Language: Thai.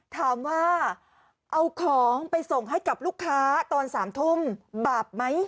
ถามว่าเอาของไปส่งให้กับลูกค้าตอน๓ทุ่มบาปไหม